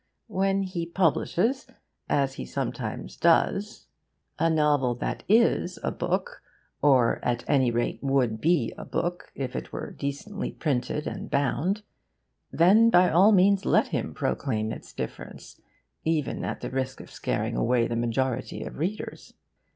When he publishes, as he sometimes does, a novel that is a book (or at any rate would be a book if it were decently printed and bound) then by all means let him proclaim its difference even at the risk of scaring away the majority of readers.